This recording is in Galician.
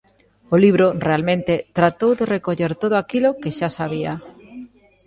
O libro, realmente, tratou de recoller todo aquilo que xa sabía.